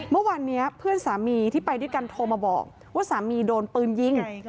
เมื่อวานนี้เพื่อนสามีที่ไปด้วยกันโทรมาบอกว่าสามีโดนปืนยิง